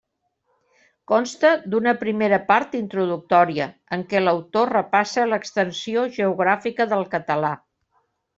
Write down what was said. Consta d'una primera part introductòria, en què l'autor repassa l'extensió geogràfica del català.